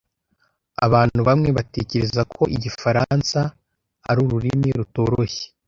Abantu bamwe batekereza ko igifaransa ari ururimi rutoroshye.